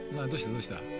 どうした？